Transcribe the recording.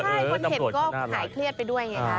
คนเห็นก็หายเครียดไปด้วย